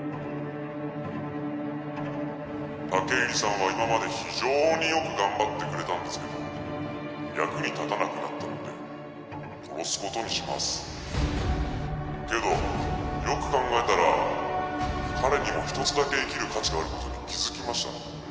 武入さんは今まで非常によく頑張ってくれたんですけど役に立たなくなったので殺すことにしますけどよく考えたら彼にも一つだけ生きる価値があることに気づきました